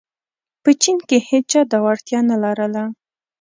په چین کې هېچا دا وړتیا نه لرله.